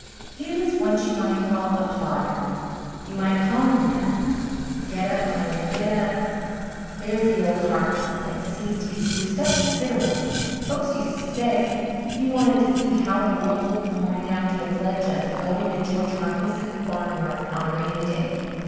He was what you might call a plodder you might call him that. Get up, my nag, get up. There's the old Harkness place seems to be spruced up considerable. Folks used to say if ye wanted to see how the world looked the morning after the flood just go into George Harkness's barn yard on a rainy day.